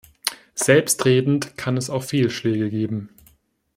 Selbstredend kann es auch Fehlschläge geben.